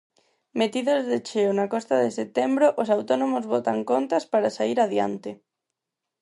Metidos de cheo na costa de setembro, os autónomos botan contas para saír adiante.